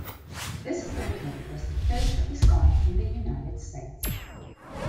This appointment was the first of its kind in the United States.